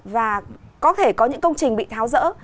và có thể có những công trình bị tháo rỡ